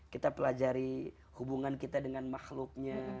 kita pelajari hubungan kita dengan makhluknya